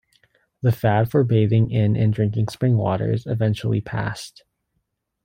The fad for bathing in and drinking spring waters eventually passed.